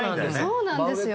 そうなんですよ。